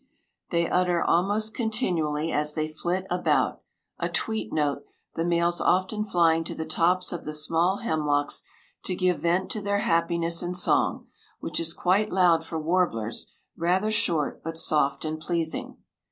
"They utter almost continually, as they flit about, a tweet note, the males often flying to the tops of the small hemlocks to give vent to their happiness in song, which is quite loud for warblers rather short, but soft and pleasing."